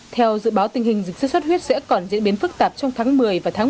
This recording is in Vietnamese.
theo dự báo tình hình dịch sốt xuất huyết sẽ còn diễn biến phức tạp trong tháng một mươi và tháng một mươi